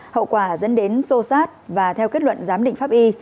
hậu quả dẫn đến sô sát và theo kết luận giám định pháp y